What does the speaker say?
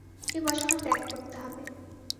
এ বাসনা ত্যাগ করতে হবে।